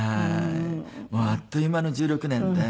もうあっという間の１６年で。